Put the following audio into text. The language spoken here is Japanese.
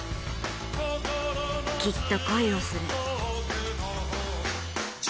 きっと恋をする。